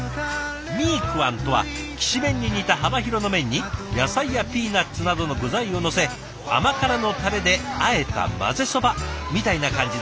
ミークアンとはきしめんに似た幅広の麺に野菜やピーナツなどの具材をのせ甘辛のタレであえたまぜそばみたいな感じだそう。